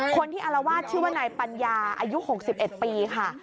คนที่อัลวาสชื่อว่าไหนปัญญาอายุของ๑๑ปีค่ะ